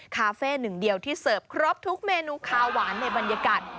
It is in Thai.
คาเฟ่หนึ่งเดียวที่เสิร์ฟครบทุกเมนูคาหวานในบรรยากาศ